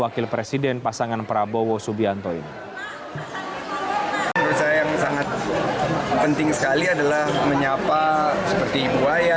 wakil presiden pasangan prabowo subianto ini